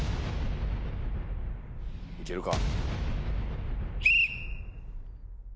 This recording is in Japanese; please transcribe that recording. いけるか？